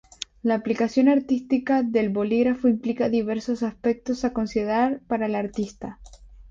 La aplicación artística del bolígrafo implica diversos aspectos a considerar para el artista.